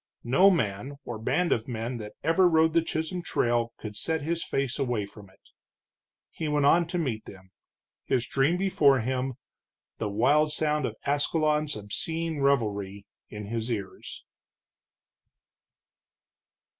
No man, or band of men, that ever rode the Chisholm Trail could set his face away from it. He went on to meet them, his dream before him, the wild sound of Ascalon's obscene revelry in his ears.